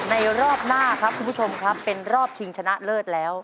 รอบหน้าครับคุณผู้ชมครับเป็นรอบชิงชนะเลิศแล้ว